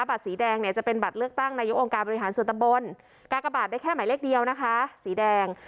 สีแดงเนี่ยจะเป็นบัตรเลือกตั้งนายกองค์การบริหารส่วนตำบลกากบาทได้แค่หมายเลขเดียวนะคะสีแดง